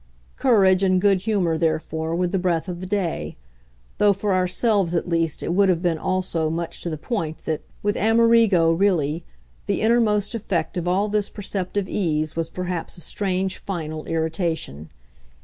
Courage and good humour therefore were the breath of the day; though for ourselves at least it would have been also much to the point that, with Amerigo, really, the innermost effect of all this perceptive ease was perhaps a strange final irritation.